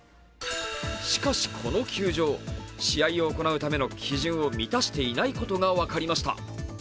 しかし、この球場、試合を行うための基準を満たしていないことが分かりました。